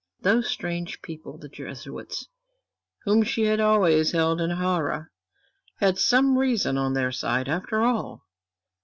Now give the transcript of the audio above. Those strange people, the Jesuits, whom she had always held in horror, had some reason on their side after all.